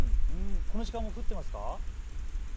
この時間も降っていますか。